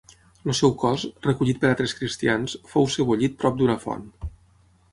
El seu cos, recollit per altres cristians, fou sebollit prop d'una font.